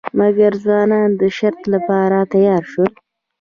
مګر ځوانان د شرط لپاره تیار شول.